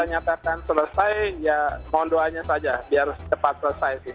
kalau nanti dinyatakan selesai ya mohon doanya saja biar cepat selesai